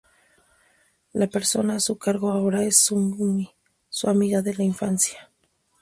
La persona a su cargo ahora es Tsugumi, su amiga de la infancia.